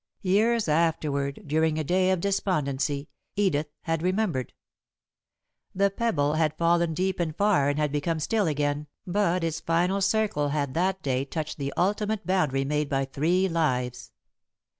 Years afterward, during a day of despondency, Edith had remembered. The pebble had fallen deep and far and had become still again, but its final circle had that day touched the ultimate boundary made by three lives.